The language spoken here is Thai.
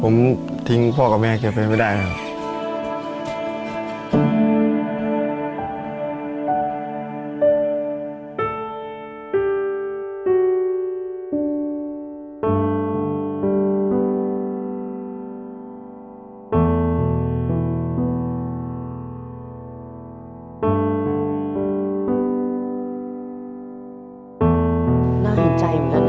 ผมทิ้งพ่อกับแม่แกไปไม่ได้ครับ